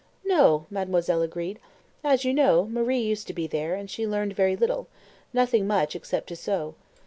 "No," mademoiselle agreed. "As you know, Marie used to be there, and learned very little nothing much, except to sew.